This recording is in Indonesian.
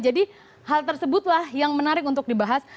jadi hal tersebutlah yang menarik untuk dibahas